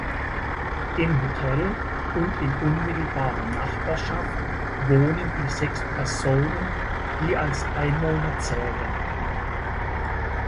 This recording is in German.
Im Hotel und in unmittelbarer Nachbarschaft wohnen die sechs Personen, die als Einwohner zählen.